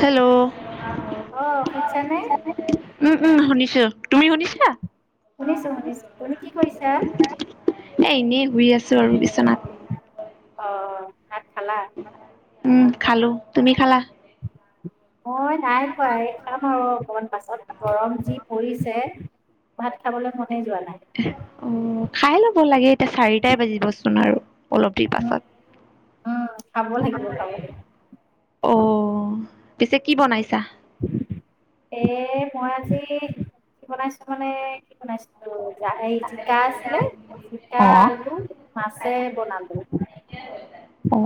Hello অ শুনিছানে উম উম শুনিছোঁ তুমি শুনিছা শুনিছো শুনিছো তুমি কি কৰিছা এ এনেই শুই আছো আৰু বিচনাত অ ভাত খালা উম খালো। তুমি খালা? অ নাই খোৱা এই খাম আৰু অকমান পাছত গৰম যি পৰিছে ভাত খাবলৈ মনেই যোৱা নাই। অ খাই ল'ব লাগে এতিয়া চাৰিটাই বাজিবচোন আৰু। অলপ দেৰি উম পাছত। উম খাব লাগিব খাব লাগিব অ পিছে কি বনাইছা। [inaudible] এ মই আজি বনাইছো মানে কি বনাইছিলো? এই জিকা আছিলে জিকা, অ আলু, মাছে বনালো। [inaudible] অ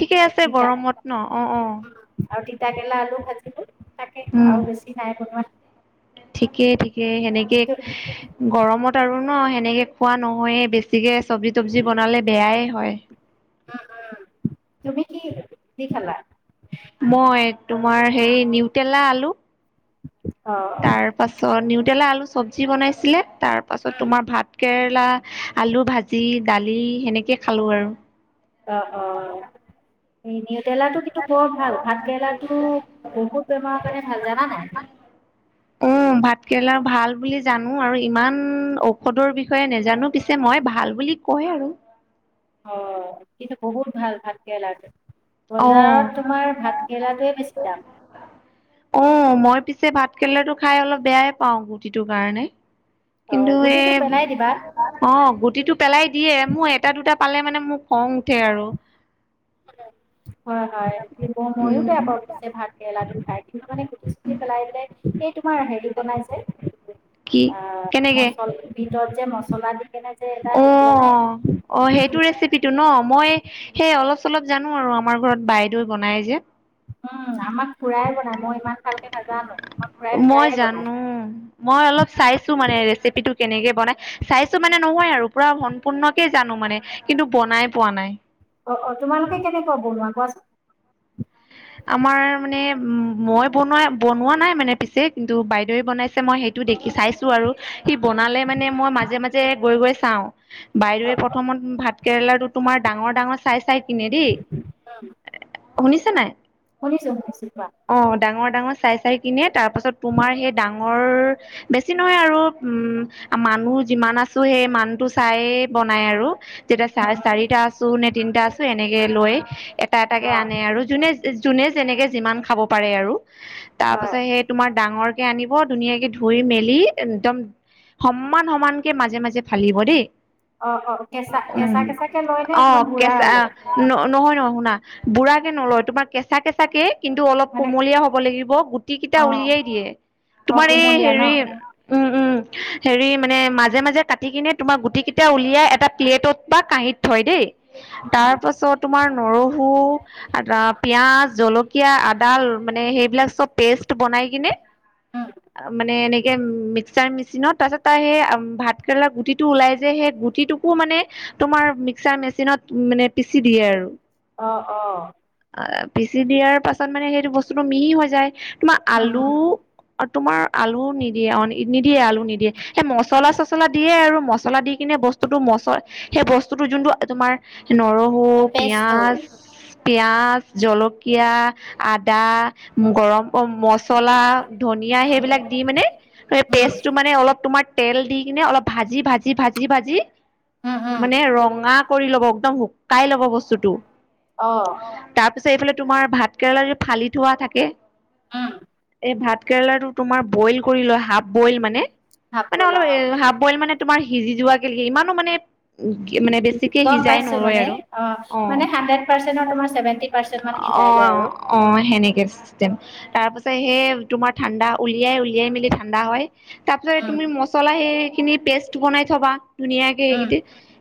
ঠিকেই আৰু আছে তিতা গৰমত ন অ অ। তিতা কেৰেলা আলু ভাজিলো তাকে উম আৰু বেছি নাই বনোবা। ঠিকেই ঠিকে সেনেকে তু- গৰমত। টা আৰু ন সেনেকৈ খোৱা নহয়েই বেছিকৈ চব্জি তবজি বনালে বেয়াই হয়। উম উম। তুমি কি দি খালা? মই তোমাৰ হেৰি নিউটেলা আলু। অ তাৰ পাছত নিউটেলা আলু চব্জি বনাইছিলে। তাৰ পাছত অ তোমাৰ ভাত কেৰেলা লা, আলু ভাজি, দালি সেনেকে খালো আৰু। অ অ। [unintelligible] নিউতেলা কিন্তু বৰ ভাল ভাত কেৰেলাটো বহুত বেমাৰৰ কাৰণে ভাল জানা নাই। উম ভাত কেৰেলা ভাল বুলি জানো আৰু ইমান ঔষধৰ বিষয়ে নজানো পিছে মই। ভাল বুলি কয় আৰু। অ কিন্তু বহুত ভাল ভাত কেৰেলাটো। অ বজাৰত তোমাৰ ভাত কেৰেলাটোৱে বেছি দাম। কেলেটো খাই অলপ বেয়াই পাওঁ গুটিটোৰ কাৰণে। অ', কিন্তু এ গুটিটো পেলাই দিবা। অ, গুটিটো পেলাই দিয়ে, মোৰ এটা- দুটা পালে মানে মোৰ খং উঠে আৰু হয় হয় মইও উম বেয়া পাওঁ পিছে ভাত কেৰেলাটো। খাই মানে গুটি চুটি পেলাই পেলাই সেই তোমাৰ হেৰি বনাই যে কি কেনেকে মচল বিটত যে মছলা দি কেনে যে এটা অ হেৰি বনাই ন অ সেইটো ৰেচিপিটো ন মই সেই অলপ অলপ জানো আৰু আমাৰ ঘৰত বাইদেউ বনাই যে। [unintelligible] উ আমাক খুড়াই বনায় মই ইমান ভালকে নাজানো, আমাৰ খুড়াই প্ৰায়ে বনায়। খাইছো মানে ৰেচিপিটো কেনেকে বনাই। চাইছো মানে নহয় আৰু পুৰা সম্পূৰ্ণকে জানো মানে কিন্তু বনাই পোৱা নাই। অ অ তোমালোকে কেনেকা বনোৱা কোৱাচোন? আমাৰ মানে উ মই বনোৱা বনোৱা নাই মানে পিছে কিন্তু বাইদেউৱে বনাইছে মই সেইটো দে শিকি চাইছো আৰু। সি বনালে মানে মই মাজে মাজে গৈ গৈ চাওঁ। বাইদেৱে প্ৰথমত ভাত কেৰেলাটো তোমাৰ ডাঙৰ ডাঙৰ চাই চাই কিনে দেই। শুনিছা নাই? শুনিছো শুনিছো কোৱা অ ডাঙৰ ডাঙৰ চাই- চাই কিনে তাৰপাছত তোমাৰ সেই ডাঙৰ বেছি নহয় আৰু উম মানুহ যিমা- মানাছো সেই মানটোজ চাই বনাই আৰু যেতিয়া চা চাৰিটা আছো নে তিনিটা আছো এনেকে লৈ, এটা এটা কে অ আনে আৰু যোনেজ যোনে যেনেকে যিমান খাব পাৰে আৰু হয় তাৰপাছত সে তোমাৰ সে ডাঙৰ আনিব ধুনীয়াকে ধুই মেলি একদম। সমান সমানকে মাজে মাজে ফালিব দেই। অ অ কেঁচা কেঁচা উম, কেঁচাকে লয় নে অ অকমান গুঢ়া কেচা আহ লয় ন নহয় নহ শুনা বুঢ়াকে নলয় তোমাৰ কেঁচা -কেঁচা কেই কিন্তু অলপ মানে কুমলীয়া হ'ব লাগিব, গুটি কেইটা অ উলিয়াই দিয়ে। অ তোমাৰ এই কুমলীয়া ন হেৰি, উম, উম। হেৰি মানে মাজে-মাজে কাটি কিনে তোমাৰ গুটি কেইটা উলিয়াই এটা প্লেটত বা কাঁহীত থয় দেই তাৰ পাছত তোমাৰ নৰহো, এটা পিঁয়াজ, জলকীয়া, আদা মানে সেইবিলাক চব পেষ্ট টো বনাই‌ কিনে, মানে অনেকে মিক্সাৰ মি চিনত তাৰপিছত তা‌ৰ সেই‌ উম ভাত কেৰেলা গুটিটো ওলাই যে, সেই গুটিটোকো মানে তোমাৰ মিক্সাৰ মেচিনত মানে পিচি দিয়ে আৰু অ অ পিচি দিয়াৰ পাছত মানে সেইটো বস্তুটো মিহি হৈ যায় তোমাৰ আলু আৰু তোমাৰ আলুও নিদিয়ে, অ, নিদিয়ে আলু নিদিয়ে সেই মচলা চচলা দিয়ে আৰু মছলা দি কিনে বস্তুতটো মচল সেই বস্তুটো যোনটো তোমাৰ নৰহো, পেষ্টটো পিয়াঁজ, পিয়াঁজ জলকীয়া, আদা, গৰম অ মচলা, ধনিয়া সেইবিলাক দি মানে সেই উম পেষ্টটো মানে অলপ তোমাৰ তেল দি কিনে অলপ ভাজি- ভাজি ভাজি উম মানে ৰঙা কৰি ল'ব একদম শুকাই ল'ব বস্তুটো। অ। তাৰপিছত এইফালে তোমাৰ ভাত কেৰেলা যিটো ফালি থোৱা থাকে উম। ভাত কেৰেলাটো তোমাৰ বইল কৰি লয় হাফ বইল মানে, হাফ মানে বইল অ অলপ হাফ বইল মানে তোমাৰ সিজি যোৱা কে লৈ ইমানো মানে মানে বেছিকে গম সিজাই পাইছো মানে নলয় আৰু, অ। মানে হাণ্ড্ৰেড পাৰ্চেন্টৰ তোমাৰ ছেভেন্টি পাৰ্চেন্ট মান অ, সিজাই লয় আৰু অ সেনেকে চেম তাৰ পিছত সেই তোমাৰ ঠাণ্ডা, উলিয়াই -উলিয়াই মেলি ঠাণ্ডা হয়। তাৰ পিছত উম তুমি মচলা সেই খিনি পেষ্ট বনাই থবা। ধুনীয়াকে উম সেইকেইটি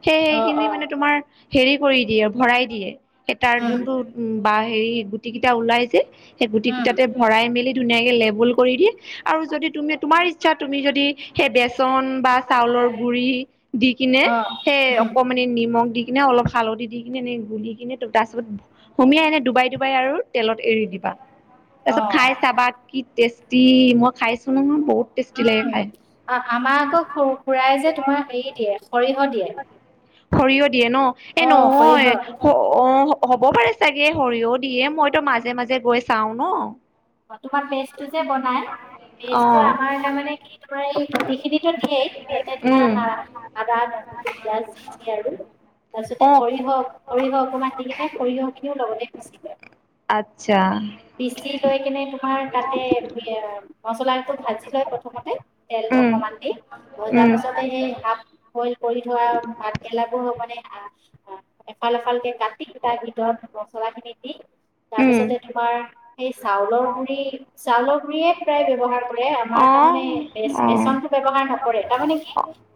সেই অ সেইখিনি অ মানে তোমাৰ হেৰি কৰি দিয়ে আৰু ভৰাই দিয়ে। এ তাৰ উম যোনটো উম বা হেৰি গুটি কেইটা ওলাই যে সেই গুটি উম কেইটাতে ভৰাই মেলি ধুনীয়াকে লেবুল কৰি দি আৰু যদি তুমি তোমাৰ ইচ্ছা তুমি যদি সেই বেচন বা চাউলৰ গুৰি দি কিনে অ সেই উম অকমানি নিমখ দি দি কিনে অলপ হালধি কিনে এনেই গুলি কিনে তাৰপিছত সোমিয়াই এনে ডুবাই ডুবাই আৰু তেলত এৰি দিবা তাৰপিছত অ খাই চাবা কি টেষ্টি মই খাইছো নহয় বহুত টেষ্টি লাগে উম, খাই। আমাৰ আকৌ খুৰাই যে তোমাৰ হেৰি দিয়ে সৰিয়হ দিয়ে। সৰিয়হ দিয়ে ন? এ অ', সৰিয়হ নহয় অ হ'ব পাৰে চাগে সৰিয়হ দিয়ে মইতো মাজে মাজে গৈ চাও ন? তোমাৰ পেষ্টটো যে বনাই, অ পেষ্টটো আমাৰ তাৰ মানে কি তোমাৰ এই গুটিখিনিতো দিয়েই তাতে উম তোমাৰ আদা, নহৰু, পিয়াঁজ সেইখিনিয়ে আৰু তাৰপিছতে অ সৰিয়হ- সৰিয়হ অকণমান দি কিনে সৰিয়হখিনও লগতে পিচি লয়। ছা সেইখিনি তোমাৰ তাতে দিয়ে আৰু মচলা টো ভাজি লয় প্ৰথমতে তেল উম অকণমান দি, তাৰ উম পাছতে সেই হা বইল কৰি থোৱা ভাতকেৰেলাবোৰ মানে এফাল এফালকে কাটি তাৰ ভিতৰত মছলা খিনি দি উম তাৰপিছতে তোমাৰ সেই চাউলৰ গুৰি চাউলৰ গুৰিয়ে সদাই ব্যৱহাৰ কৰে আমাৰ অ তাৰমানে অ বেচনটো নকৰে তাৰমানে কি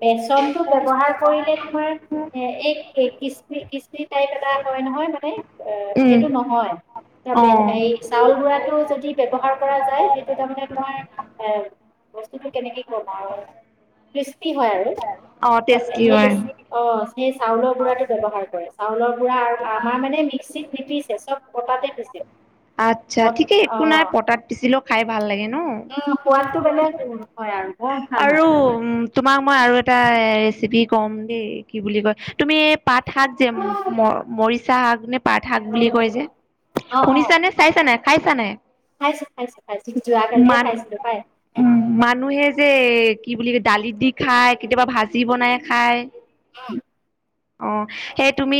বেচনটো ব্যৱহাৰ কৰিলে তোমাৰ এ এই ক্ৰিছপি, ক্ৰিছপি টাইপ এটা হয় নহয় হয় মানে, অ, উম সেইটো নহয় অ তাতে চাউল গুড়াটো যদি ব্যৱহাৰ কৰা যায় সেইটো তাৰমানে তোমাৰ এ বস্তুটো কেনেকে তোমাৰত কৃস্পি হয় আৰু অ টেষ্টি হয় সেচ অছ সেই চাউলৰ গুড়াটো ব্যৱহাৰ কৰে, চাউলৰ খুড়া আমাৰ মানে মিক্সিত নিপিছে চব পতাতে পিছে। চা অ' ঠিকেই একো নাই, পতাত পিছিলেও খাই ভাল লাগে। নো উম সোৱাদটো বেলেগ [unintelligible] হয় আৰু বৰ ভাল আৰু হয়। তোমাক মই আৰু এ- এটা ৰেচিপি কম দেই কি বুলি কয় তুমি পাত শাত যে ম- মৰিচা শাক নে পাাত শাক বুলি কয় যে। অ' অ' শুনিছা নে চাইছা নাই, খাইছা নাই? খাইছো খাইছো খাইছো যোৱাকালিয়ে মান খাইছিলো পাই উ মানুহে যে এ কি বুলি দালিত দি খায়, কেতিয়াবা ভাজি বনাই খায়। অ সেই তুমি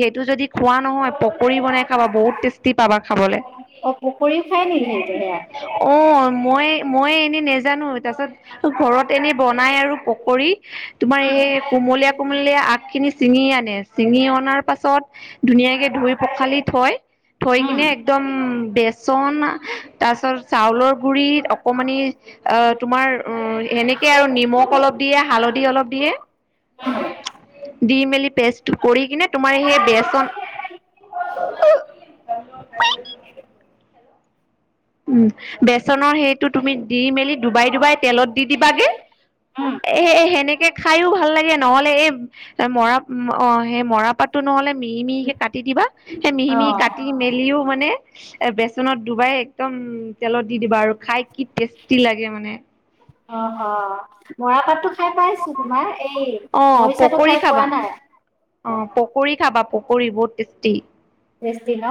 সেইটো যদি খোৱা নহয় পকৰি বনাই খাবা বহুত টেষ্টি পাবা খাবলে। অ' পকৰীও খাই নেকি সেইটো সেয়া অ। মই মই এনে নেজানো, তাৰ পাছত ঘৰত এনে বনাই আৰু পকৰি। তোমাৰ এই কোমলীয়া কোমলীয়া আগখিনি চিঙি আনে, চিঙি অনাৰ পাছত ধুনীয়াকে ধুই পখালি থয়, থৈ উম কিনে একদম বেচ- চনা তাৰপিছত চাউলৰ গুৰিত অকমানি অ তোমাৰ অ সেনে কে আৰু নিমখ অলপ দিয়ে হালধি অলপ দিয়ে। দি মেলি পেষ্ট কৰি কিনে তোমাৰ সেই বেষ্ট শন [unintelligible] উম, বেচনৰ সেইটো তুমি দি মেলি ডুবাই ডুবাই তেলত দি দিবাগে উম সেনেকে খায়ো ভাল লাগে। নহ'লে এই মৰা অ সেই মৰা পাতটো নহ'লে মিহি মিহিকে কাটি দিবা, সেই মিহিমিহি অ' কাটি মেলিও মানে এ বেচনত ডুবাই একদম তেলত দি দিবা আৰু খাই কি টেষ্টি লাগে মানে। অ, অ। মৰাপাটটো খাই পাইছো তোমাৰ। এই অ মৰিছাটো পকৰী খাই খাবা পোৱা নাই। অ পকৰী খাবা, পকৰী বহুত টেষ্টি। টেষ্টি ন?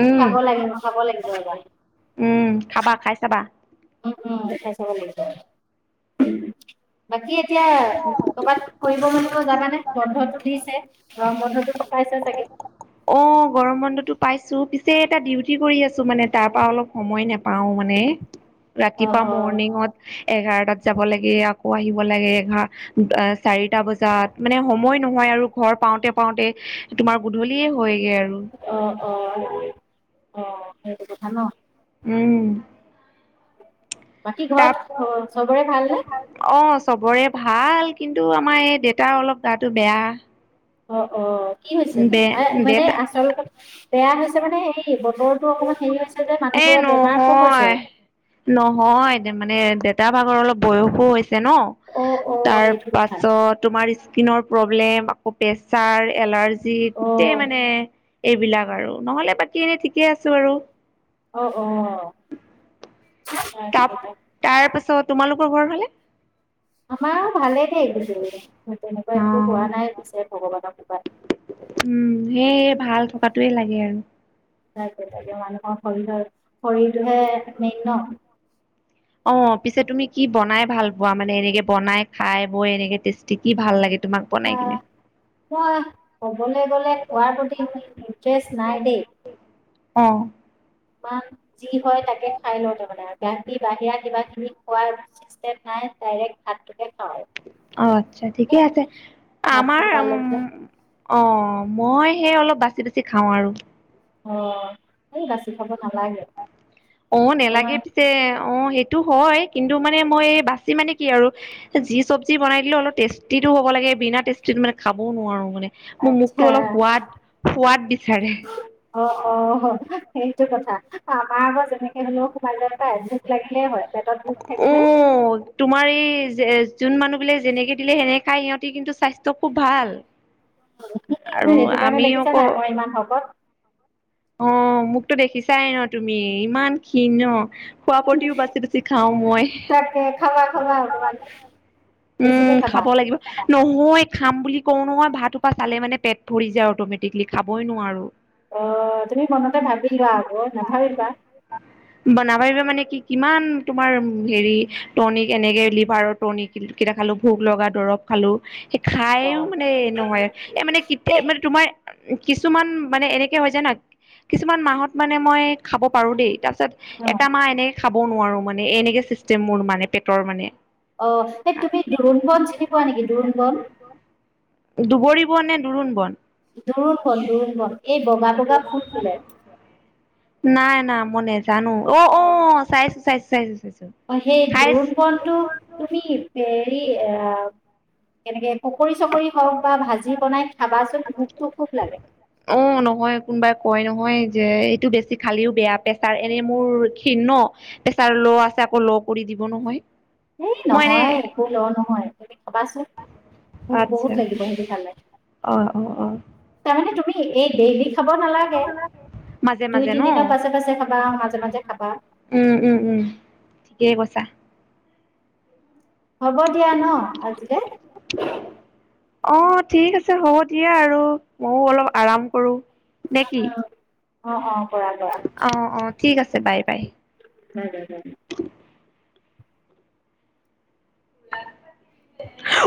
উম খাব লাগিব খাব লাগিব এবাৰ। উম খাবা খাই চাবা উম উম দেখাই চাব লাগিব। বাকী এতিয়া কৰ'বাত ফুৰিব মেনিব যাবা নে বন্ধটো দিছে গৰম বন্ধটো নাপায়। ছে চাগে। অ গৰম বন্ধতো পাইছো পিছে এটা ডিউটি কৰি আছো মানে তাৰ পৰা অলপ সময় নেপাও মানে। অ ৰাতিপুৱা অ মৰ্ণিঙত এঘাৰটাত যাব লাগে, আকৌ আহিব লাগে। এঘা চাৰি বজাত মানে সময় নহয় আৰু ঘৰ পাওঁতে পাওঁতে তোমাৰ গূধল- বুলিয়ে হৈ অ অ অ সেইটো কথা ন। উম। বাকী ঘৰত তাপ, অ চবৰে ভালনে অ চবৰে ভাল। কিন্তু আমাৰ এই দেতা অলপ গাটো বেয়া। অ অ কি হৈছে নো? দে আৰে মানে দেউতা আচলতে বেয়া হৈছে মানে সেই বস্ত- এ হৈছে নহয় নহয় মানে দেত- তা ভাগৰ অলপ বয়সো হৈছে ন অ অ তাৰ সেইটো কথা পাছত তোমাৰ স্কিনৰ প্ৰব্লেম আকৌ প্ৰেচাৰ, এলাৰ্জি গোটেই অ', মানে এইবিলাক আৰু নহলে বাকী এনে ঠিকে আছো আৰু। অ', অ', ত তাকে। তাৰ পাছত তোমালোকৰ ঘৰ ফালে? আমাৰ ভালেই দে পিছে তেনেকুৱা একো হোৱা নাই পিছে ভগৱানৰ কৃপাত। উম, সেয়ে ভাল থকাটোৱে লাগে আৰু। তাকে তাকে মানুহৰ শৰীৰৰ শৰীৰটোহে মেইন ন। অ পিছে তুমি কি বনাই ভাল পোৱা মানে এনেকে বনাই, খাই বৈ এনেকে টেষ্টি কি ভাল লাগে? ভাত বনাই আহ কিনে। মই ক'বলে গ'লে খোৱাৰ প্ৰতি [unintelligible] ইণ্টেৰেষ্ট নাই দেই। অ [unintelligible] যি হয় তাকে খাই লওঁ তাৰ মানে। বাকী বাহিৰা কিবা খিনি খোৱাৰ চিষ্টেম নাই। ডাইৰেক্ট ভাতটোকে খাওঁ। অ, আচ্ছা ঠিকেই আছে। ভাতটো আমাৰ পালে উম বোলে অ, মই সেই অলপ বাচি-বাচি খাওঁ আৰু। অ, এই বাছি খাব নালাগে অ, নেলাগে অকমান পিছে, অ সেই এইটো হয়। কিন্তু মানে মই বাচি মানে কি আৰু যি চব্জি বনাই দিলে অলপ টেষ্টিটো হ'ব লাগে। বিনা টেষ্টিত মানে খাবও নোৱাৰো মানে। মোৰ মুখটো আচ্ছা অলপ সোৱাদ, সোৱাদ বিচাৰে। অ অ সেইটো কথা। আমাৰ আক' যেনেকে হলেও সোমাই যায় পাই ভোক লাগিলে হয়। পেটত ভোক থাকিলে উ তোমাৰ এই যে যোন মানুহ বিলাক যেনেকে দিলে সেনেক খায় সিহঁতি কিন্তু স্বাস্থ্য খুব ভাল। [unintelligible] আৰু সেইটো কাৰণে আমি দেখিছা নাই আকৌ ইমান শকত। অ, মোকতো দেখিছাই ন তুমি ইমান ক্ষীণ ন। খোৱা প্ৰতিও বাচি-বাচি খাওঁ মই। তাকে খাবা খাবা অকমান [unintelligible] বেছিকে উম, খাবা খাব লাগিব। নহ [unintelligible] মই খাম বুলি কওঁ নহয়, ভাতসোপা চালে মানে পেট ভৰি যায় অটমেটিকেলি খাবই নোৱাৰো। অ তুমি মনতে ভাবি লোৱা আকৌ নাভাবিবা [unintelligible] বনা পাৰিবা মানে কি কিমান তোমাৰ হেৰি টনিক এনেকে লিভাৰৰ টনিক কেইটা খালো। ভোক লগা দৰ দৰব খালো। সেই অ খাইও মানে নহয় এ মানে সেই মানে তোমাৰ কিছুমান মানে এনেকে হয় যাই নহয়, কিছুমান মাহত মানে মই খাব পাৰো দেই। তাৰ পিছত অ এটা মাহ এনেকে খাব নোৱাৰো মানে। এনেকে চিষ্টেম মোৰ মানে। পেটৰ মানে অ এই তুমি দোৰোণ বন চিনি পোৱা নেকি দোৰোণ বন? শুধ নে দোৰোণ বন? দোৰোণ বন, দোৰোণ বন। এই বগা বগা ফুল ফুলে। নাই, না মই নেজানো। অ-অ চাইছো, চাইছো, চাইছো, চাইছো। অ, সেই খাইছ দোৰোণ বনটো তুমি হেৰি আ কেনেকে পকৰী চকৰি হওঁক বা ভাজি বনাই খাবাচোন। ভোকটো খুব লাগে। অ নহয় কোনোবাই কয় নহয় যে এইটো বেছি খালিও বেয়া। প্ৰেছাৰ এনে মোৰ ক্ষীণ ন, প্ৰেছাৰ ল' আছে আকৌ ল' কৰি দিব নহয়। এ মই এনে নহয় একো ল নহয় তুমি খাবা ভোক, ভোক বহুত আচ্ছা লাগিব সেইটো খালে। অ অ অ তাৰমানে তুমি এই ডেইলি খাব নালাগে। মাজে দুই, মাজে ন তিনদিনৰ পাছে পাছে খাবা। মাজে-মাজে খাবা। উম উম উম ঠিকেই কৈছা। হ'ব দিয়া ন আজিলে? অ ঠিক আছে হ'ব দিয়া আৰু। ময়ো অলপ আৰাম কৰো, নে কি? অ-অ কৰা, অ অ কৰা। ঠিক আছে বাই বাই উম-উম-উম-উ। উ [unintelligible]